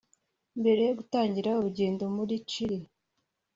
Mbere yo gutangira urugendo muri Chili